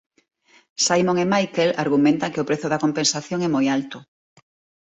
Simon e Michael argumentan que o prezo da compensación é moi alto.